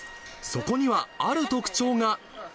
そこには、ある特徴が。